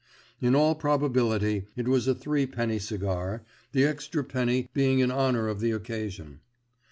In all probability it was a threepenny cigar, the extra penny being in honour of the occasion.